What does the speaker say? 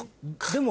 でも。